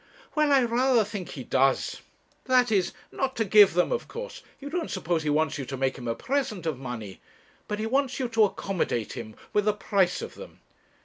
'Well I rather think he does. That is, not to give them, of course; you don't suppose he wants you to make him a present of money. But he wants you to accommodate him with the price of them.